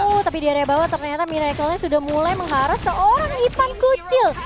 oh tapi di area bawah ternyata miracle nya sudah mulai mengharas seorang ipan kucil